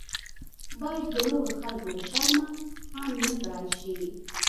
باید د نورو خلکو له شرمه عام نکړای شي.